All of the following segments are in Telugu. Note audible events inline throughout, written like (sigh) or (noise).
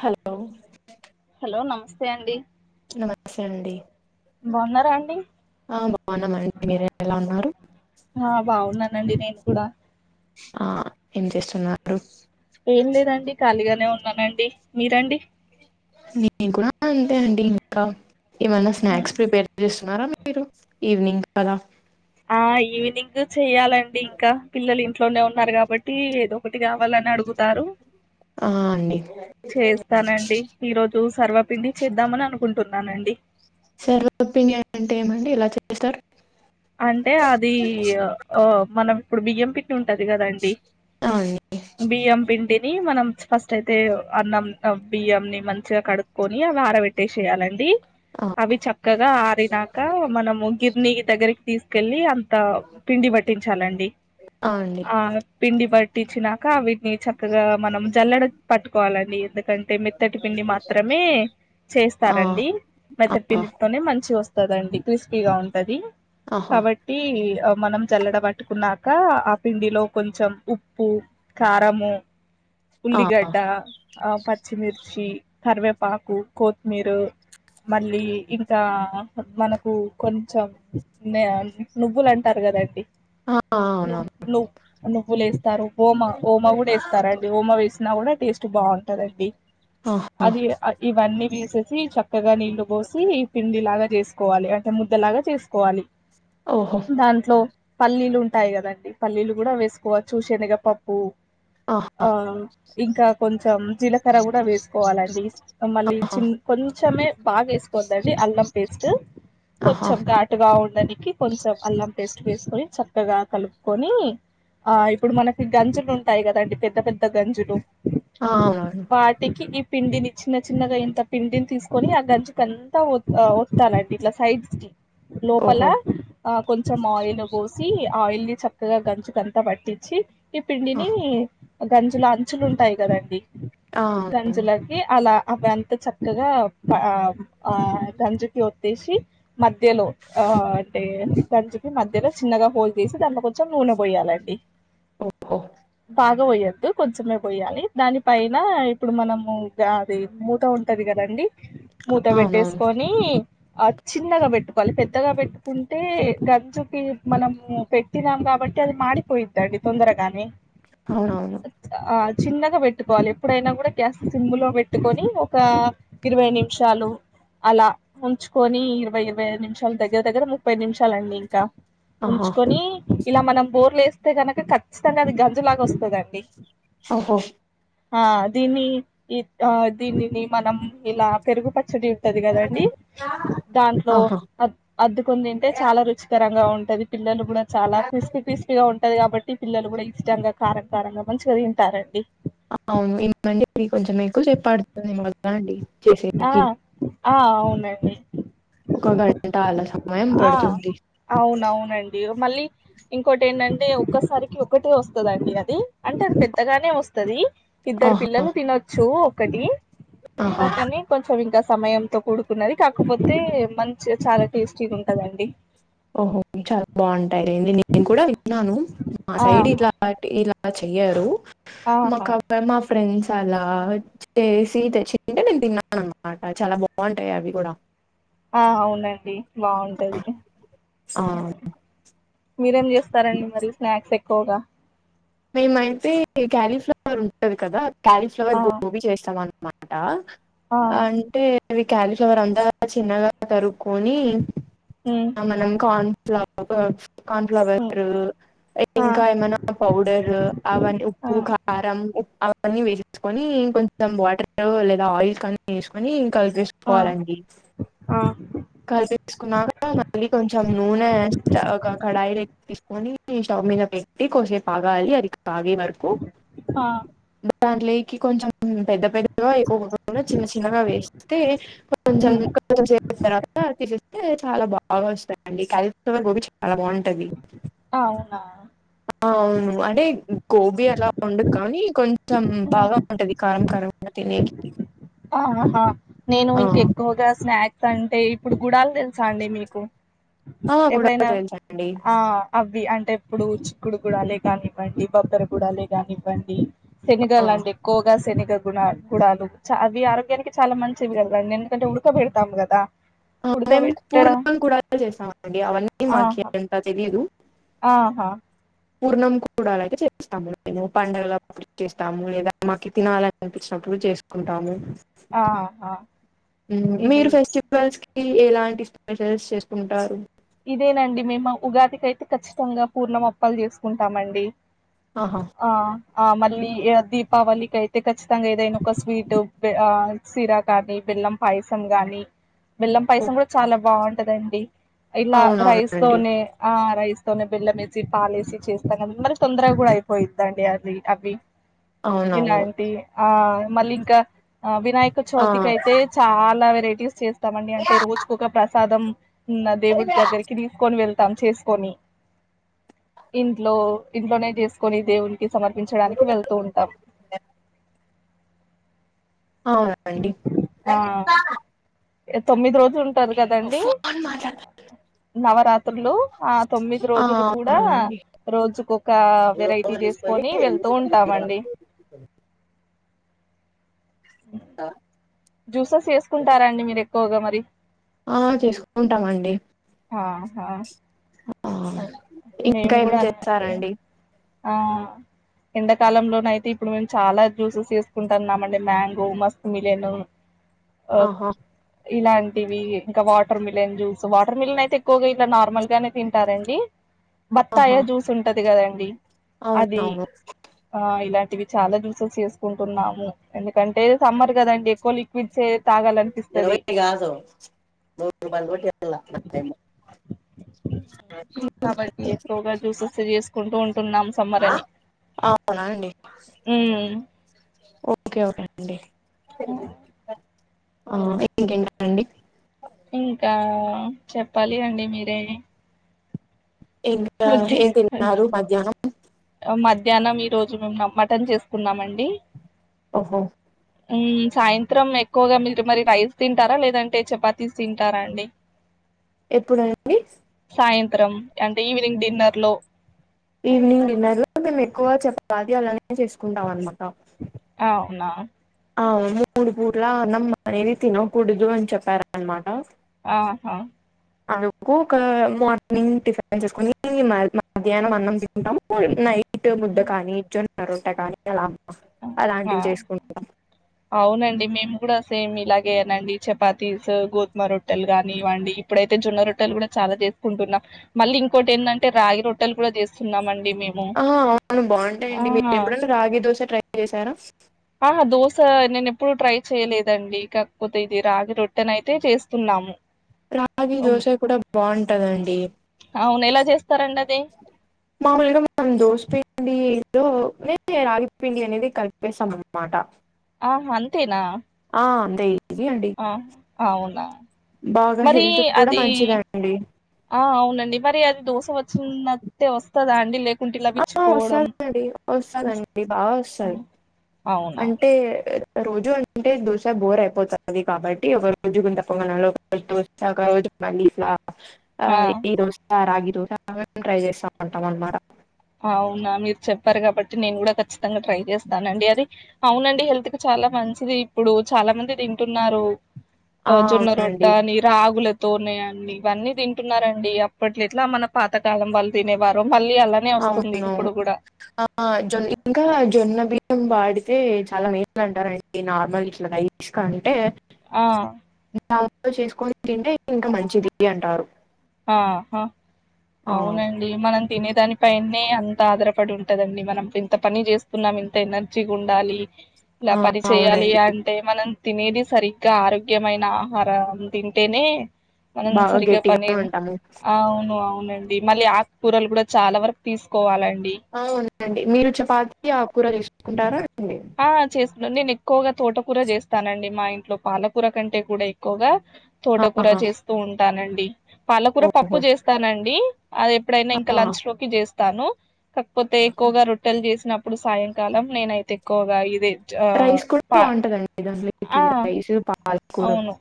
హలో హలో నమస్తే అండి నమస్తే అండి బాగున్నారా అండి ఆ బావున్నామండి. మీరే ఎలా ఉన్నారు? ఆ బావున్నానండి నేను కూడా ఆ ఏం చేస్తున్నారు? ఏం లేదండి ఖాళీగానే ఉన్నానండి మీరండి? నేను కూడా అంతే అండి ఇంకా ఏమన్నా ఉమ్. స్నాక్స్ ప్రిపేర్ చేస్తున్నారా? మీరు ఈవినింగ్ కదా ఆ ఈవినింగ్ చెయ్యాలండి ఇంకా పిల్లలిమ్ ఇంట్లోనే ఉన్నారు కాబట్టి ఏదొ ఒకటి కావాలని అడుగుతారు. ఆ అండి చేస్తానండి ఈరోజు సర్వపిండి చేద్దామని అనుకుంటున్నానండి. సర్వపిండి అంటే ఏమండి ఏలా చేస్తారు? అంటే అది యొ ఒ మనం ఇప్పుడు బియ్యం పిం డి ఉంటది కదండి ఆ అండి బియ్యం పిండి ది మనం ఫస్ట్ అయితే అన్నం బియ్యంన్ని మంచిగా కడుక్కకొని అవి ఆరబెట్టే చెయాలండి. ఆ అవి చక్కగా ఆరినాక మనము గిర్నీ దగ్గరికి తీసుకెళ్లి అం త పిండి పట్టించాలండి ఆ పిండి పట్టించిన కా వీటిని చక్కగా మనం జల్లడ పట్టుకోవాలండి. కంటే మెత్తటి పిండి మాత్రమే ఆ చేస్తారండి. మెత్తటి ఆ పిండితోనే మంచి వస్త దండి క్రిస్పీగా ఉంటది ఆహా కాబట్టి ఆ మనం జల్లడ పట్టుకున్నాక ఆ పిండిలో కొంచెం ఉప్పు, కారము ఆ ఉల్లిగడ్డ, ఆ పచ్చిమిర్చి, కరివేపాకు, కొత్తిమీరు మళ్ళీ ఇంకా మనకు కొంచెం నేం నువ్వులు అంటారు కదండి ఆ ను అవునవును ను నువ్వులు వేస్తారు ఓమా ఓమ కూడా వేస్తారండి ఓమా వేసినా కూడా టేస్ట్ బావుంటందండి. ఆహా అది అ ఇవన్నీ వీసేసి చ క్కగా నీళ్లు పోసి పిండి లాగా చేసుకోవాలి అంటే ముద్దలాగా చేసుకోవాలి. ఓహో దాంట్లో పల్లీలు ఉంటాయి కదండి పల్లీలు కూడా వేసుకోవచ్చు. శనగపప్పు ఆహా ఆ ఇంకా కొంచెం జీలకర్ర కూడా వేసుకోవాలండి. ఆ మళ్ళీ ఆహా చిన్న కొంచెమే బాగా వేసుకోద్దండి అల్లం పేస్ట్ ఆహా కొంచెం ఘాటుగా ఉండానికి కొంచెం అల్లం పె స్ట్ వేసుకొని చక్కగా కలుపుకొని ఆ ఇప్పుడు మనకి గంజులు ఉంటాయి కదండి పెద్ద పెద్ద గంజులు ఆ అవునవును వాటికి ఇ పిండిని చిన్న చిన్నగా ఇంత పిండిని తీసుకొని ఆ గంజుకి అంతా వత్ వత్తాలండి ఇట్లా సైడ్స్ ప్పల ఓహో ఆ కొంచెం ఆయిల్ పోసి ఆయిల్ ని చక్కగా గంజుకంతా పట్టించి ఈ ఆ పిండిని గంజుల అంచులు ఉంటాయి కదండి ఆ, అవునవును గంజులకి అలా అవి అంత చక్కగా ఆ ఆ గంజికి వత్తేసి మధ్యలో ఆ అంటే గంజికి మధ్యలో చిన్నగా హోల్ తీసి దాంట్లో కొంచెం నూనె పోయాలండి. ఓహో బ పోయొద్దు కొంచమే పోయాలి దాని పైన ఇప్పుడు మనము అది మూత ఉంటది కద అండి మూత అవునవును పెట్టేసుకొని ఆ చిన్నగ పెట్టుకోవాలి పెద్ద పెద్దగా పెట్టుకుంటే గంజుకి మనము పెట్టినాం కాబట్టి అది మాడిపోయిద్దండి తొందరగా కానీ అవునవును చిన్నగా పెట్టుకోవాలి ఎప్పుడైనా కూడా గ్యాస్ సిమ్ము లో పెట్టుకొని ఒక ఇరవై నిమిషాలు అలా ఉంచుకొని ఇరవై ఇరవైఐదు నిమిషం దగ్గర దగ్గర ముప్పై నిమిషాలండి ఇంకా ఆహా ఉంచుకొని ఇలా మనం బోర్లు ఏస్తే కనక ఖచ్చితంగా అది గంజు లాగా వస్తదండి ఓహో ఆ దీన్ని ఆ దీనిని మనం ఇలా పెరుగుపట్ చడి ఉంటది కదండి దాంట్లో ఆహా అద్దుకుని తింటే చాలా రుచికర గా ఉంటది పిల్లలు కూడా చాలా క్రిస్పీ క్రిస్పీగా ఉంట ది కాబట్టి పిల్లలు కూడా ఇష్టంగా కారంకారంగా మంచిగ తింటారండి అవును ఇమండి కొంచెం ఎక్కువసేప్ పడుతుంది అండి ఆ చేసేకి ఆ అవునండి ఒక గంట అలా సమయం ఆ పడుతుంది అవునవునండి మళ్ళీ ఇంకోటి ఏంటంటే ఒక్కసారికి ఒకటే వస్తదండి అది అంటే అది పెద్దగానే వస్తది. ఇద్దరు ఆహా పిల్లలు తినొచ్చు ఒకటి ఆహా కొంచం ఇంకా సమయంతో కూడుకున్నది కాకపోతే మంచిగ చాలా టేస్టీగా ఉంటదండి ఓహో చాలా బాగుంటాయి రేండి నేను కూడా విన్నాను మా సైడ్ ఆహా ఇలాంటి ఇలా అ చెయ్యరు ఆహా మాకు మా ఫ్రెండ్స్ అలా చేసి తెచ్చింటే నేను తిన్నాను అనమాట చాలా బాగుంటాయి అవి కూడా ఆ అవునండి బాగుంటది ఆ మీరేం చేస్తారండి మరి స్నాక్స్ ఎక్కువగా మేమైతే క్యాలీఫ్లవర్ ఉంటది కదా క్యాలీఫ్లవర్ ఆ గోబీ చేస్తాం అన్ అనమాట ఆ అంటే అవి క్యాలీఫ్లవర్ అంతా చిన్నగా తరుగుకొని ఉమ్ మనం కాన్ కార్న్ఫ్లవర్ ఉమ్ ఆ ఇంకా ఏమైనా పౌడర్ ఆవన్ ఆ ఉప్పు కారం అన్ని వేసేసుకొని కొంచెం వాటర్ లేదా ఆయిల్ కని వేసుకొని ఆ కల్పేసుకోవాలండి ఆ కలి తీసుకున్నాక మళ్ళీ కొంచెం నూనె ఒక కడాయి తీసుకొని స్టవ్ మీద పెట్టి కొద్దిసేపు ఆగాలి అది కాగే వరకు ఆ దాంట్లేకి కొంచెం పెద్ద పెద్దగా ఎయ్యికోకుండా చిన్న చిన్నగా వేస్తే కొంచెం ఉమ్ కొంచెం చేస్తారు తెలిస్తే చాలా బాగ వస్తాయి అండి క్యాలీ ఫ్లవర్ గోబి చాలా బాగుంటది అవునా ఆ అవును అదే గోబీ అట్లా ఉండదు కానీ కొంచెం బాగా ఉంటది కారం కారం తినేకి ఆహా నేను ఆ, ఇంక ఎక్కువగా స్నాక్స్ అంటే ఇప్పుడు గుడాలు తెలుసా అండి మీకు ఆ, కూడా ఎప్పుడైనా తెలుసండి ఆ అ ఇవి అంటే ఇప్పుడు చిక్కుడు గుడాలే కానివ్వండి బబ్బర గుడాలే కానివ్వండి ఆ, శనిగల అండి ఎక్కువగా శనిగ గుణ గుణాలు చ అవి ఆరోగ్యానికి చాలా మంచివి కదండి నే ఎందుకంటే ఉడక పెడతాము కదా ఆ మేము ఉడకబెట్టడం పూర్ణం కూడా చేస్తామండి అవన్నీ మాకు ఆహా అంత తెలీదు. ఆహా పూర్ణం కూడా అయితే చేస్తాము మేము పండగల ప చేస్తాము లేదా మాకు తినాలని అనిపించినప్పుడు ఇప్పుడు చేసుకుంటాము. ఆహ మీరు ఫెస్టివల్స్ కి ఎలాంటి స్పెషల్స్ చేసుకుంటారు? ఇదేనండి మేము ఉగాదికి అయితే ఖచ్చితంగా పూర్ణమొప్పాలు చేసుకుంటామండి. ఆహా ఆ ఆ మళ్ళీ దీపావళికి అయితే ఖచ్చిత మఖతంగా ఏదైనా ఒక స్వీట్ ఆ సిరా గానీ బెల్లం పాయసం గానీ బెల్లం ఓ, పాయసం కూడా చాలా బావుంటదండి ఇలా రైస్ అవునవునండి తోనే ఆ రైసుతోనే బెల్లంఏసి పాలేసి చేస్తాంద మరి తొందరగా కూడా అయిపోయిందండి అది అవి అ ఇలాంటి ఆ మళ్ళీ ఇంకా వినాయక ఆ చవితికి అయితే చాలా వెరై టీస్ చేస్తామండి అంటే రోజు ఒక ప్రసాదం దేవుడు దగ్గరికి తీసుకుని వెళ్ తాం చేసుకొని ఇంట్లో ఇంట్లోనే చేసుకొని దేవుడి కి సమర్పించడానికి వెళ్తూ ఉంటాం. అవునండి లలిత ఇక తొమ్మిది రోజులు ఉంటది కదండి. మాట్లాడు నవరాత్రులు ఆ తొమ్మిది ఆ రోజులు కూడా అవునండి రోజుకు ఒక వెరైటీ చేసుకొని వెళ్తూ ఉంటామండి. ఆ జ్యూసెస్ వేసుకుంటారా అండి మీరు ఎక్కువగా మరి? ఆ చేసుకుంటామండి ఆహా ఆహ అన్ ఇంకా మేము ఏం కూడా చేస్తారండి? ఎండకాలంలోన అయితే ఇప్పుడు మేము చాలా జ్యూసెస్ వేసుకుంటాన్నామండి మ్యాంగో, మస్క మిలిన్ ఆహ ఇలాంటివి ఇంకా watermelon juice watermelon అయితే ఎక్కువగా ఇట్లా నార్మల్ గానే తింటారండి. బత్తాయ ఆహా జ్యూస్ ఉంటది కదండి అది అవునవును ఆ ఇలాం టివి చాలా ద్యూసస్ చేసుకుంటున్నాము. ఎందుకంటే సమ్మర్ కదండి ఎక్కువ లిక్విడ్స్ ఇరవై కాదు నూరు రూపాయలు కూడా చెప్పాల అట్లేయితే ఇంక కాబట్టి ఎక్కువగా జ్యూసెస్ చేసుకుంటూ ఉంటున్నాం సమ్మరని అవునా అండి ఓకే ఓకే అండి పెళ్ళి చేసుకున్న ఆ ఇంకేంటనండి? ఇంకా చెప్పాలి అండి మీరే? ఇంకా వద్ది ఏం వద్ది. తిన్నారు మధ్యాహ్నం? మధ్యాహ్నం ఈ రోజు మేము మటన్ చేసుకున్నామండి. ఓహో మ్ సాయంత్రం ఎక్కువగా మీరు మరి రైస్ తింటారా, లేదంటే చపాతీస్ తింటారా అండి? ఎప్పుడండి? సాయంత్రం అంటే ఈవినింగ్ డిన్నర్లో ఈవినింగ్ డిన్నర్లో మేము ఎక్కువ చపాతీ అలానే చేస్కుంటాం అన్నమాట. అవునా అవున్ మూడు పూటల అన్నం అనేది తినకూడదు అని చెప్పారన్మాట. ఆహా! అందుకు ఒక మార్నింగ్ టిఫిన్ చేస్కొని మధ్యాహ్నం అన్నం తింటాం నై నైట్ ముద్ద కానీ జొన్న రొట్ట కానీ అలా ఆ అలాంటివి చేసుకుంటాం అవునండి మేము కూడా సేమ్ ఇలాగే నండి చపాతీస్, గోధుమ రొట్టెల్ కానివ్వండి ఇప్పుడైతే జొన్న రొట్టెల్ గుడా చ చాలా చేస్కుంటున్నా. మళ్ళీ ఇంకోటేన్దంటె రాగి రొట్టల్ కూడా చేస్తున్నామం అహా అవును బాగుంటాయండి మీరెప్పుడైన రాగి దోశ ట్రై చేశారా? అహా దోస నేన్ ఎప్పుడు ట్రై చేయలేదండి కాకపోతే ఇది రాగి రొట్టెనైతే చేస్తున్నాము. రాగి హ్మ్. దోశ కుడ బాగుంటదండి. అవును. ఎలా జేస్తారండి అది? మాముల్గా మనం దోస పిండిలో అనేది రాగి పిండి అనేది కలిపేసమన్నమాట. ఆహ అంతేనా అంతే ఈజీ అండి అ అవునా బాగా మరీ హెల్త్ కూడా అదీ మంచిదండి ఆ అవునండి మరి అది దోస పోస్కున్నట్టే వస్తదా అండి డి లేక్ కుంటిల ఆ విచ్చిపోవడం వస్తదండి వస్తదండి బాగా వస్తది అంటే? రోజు అంటే దోశ బోర్ అయిపోతాది కాబట్టి ఒక రోజు గుంత పొంగనాలు ఒక రోజు దోస ఒక రోజు చెప్పండి ఇట్లా ఆ ఈ రోజు రాగి దోశ ట్రై చేస్తామంటాం అన్నమాట. అవునా మీరు చెప్పారు కాబట్టి నేన్ గుడా ఖచ్చితంగా ట్రై చేస్తానండి అది అవునండి హెల్త్కి చా లా మంచిది ఇప్పుడు చాలా మంది తింటున్నారు ఆ జొన్న రొట్ట అని రాగుల తోనేయండి ఇవన్నీ తింటున్నారండి అప్పట్లెట్లా మన పాతకాలం వాళ్ళు తినేవారో మళ్ళీ అలా అవునవును ఆ హ్మ్. జొన్ ఇంకా జొన్న బియ్యం బాడి కీ చాలా మెయిన్ అంటారండి నార్మల్ ఇట్ల రైస్ కంటే ఆ! (unintelligible) చేస్కొన్ తింటే ఇంకా మంచిది అంటారు. ఆహ ఆ అవునండి మనం తినేదాని పైన్ నే అంత ఆధారపడి ఉంటదండి మనం ఇంత పని చేస్తున్నాం ఇంత ఎనర్జీగుండాలి. ఇలా ఆ పని చెయ్యాలి అవునండి అంటే మనం తినేది సరిగ్గా ఆరోగ్యమైన ఆహారం తింటేనే మనం బాగా సరిగ్గ గట్టిగా పని ఉంటాము అవును అవునండి మళ్ళీ ఆకుకూరలు కూడా చాలా వరకు తీస్కోవాలం అవునండి మీరు చపాతీ ఆక్కూర తీస్కుంటారా? ఆ చేస్తున్నా నేన్ ఎక్కువగా తోటకూర చేస్తానండి మా ఇంట్లో పాలకూర కంటే కూడా ఎక్కువగా తోటకూర ఆహా చేస్తూ ఉంటానండి. పాలకూర పప్పు ఓహో చేస్తానండి అది ఎప్పుడైనా ఇంకా ఆ లంచ్ లోకి చేస్తాను. కాక్పోతే ఎక్కువగా రొట్టెల్ చేసినప్పుడు సాయంకాలం నేనైతే ఎక్కువగా ఇదే చ్ ఆహ్, రైస్ కూడా పా బాగుంటందండి (unintelligible) కి ఆ! రైస్ ప అవును.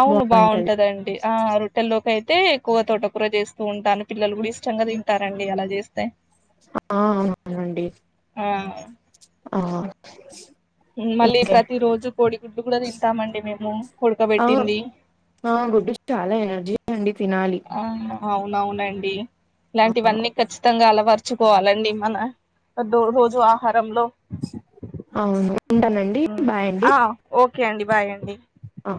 అవును బాగుంటదండి ఆ రొట్టెల్లోకై తే ఎక్కువగ తోటకూర చేస్తూ ఉంటాను పిల్లలు గుడా ఇష్టంగా తింటారండి అలా చేస్తే ఆ అవునండి ఆ! ఆ మళ్ళీ ఇంకే ప్రతి రోజు కోడిగుడ్లు కూడా తింటామండి మేము ఆ ఉడకబెట్టింది. ఆ గుడ్డు చాలా ఎనర్జీ అండి తినాలి ఆ అవునవునండి ఆ ఇలాంటివన్నీ ఖచ్చితంగా అలవరచుకోవాలండి మన రోజు ఆహారంలో అవును ఉంటానండి అల బాయ్ అండి ఓ ఓకే అండి బాయ్ అండి ఆ